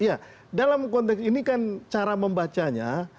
ya dalam konteks ini kan cara membacanya